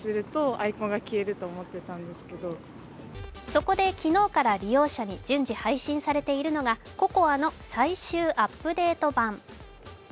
そこで、昨日から利用者に順次配信されているのがＣＯＣＯＡの最終アップデート版。